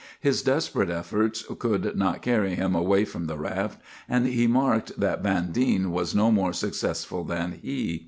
His desperate efforts could not carry him away from the raft, and he marked that Vandine was no more successful than he.